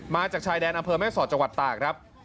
มาจากชายแดนอำเภอแม่สอดจังหวัดตากครับ